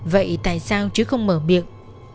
vậy tại sao chứ không mở miệng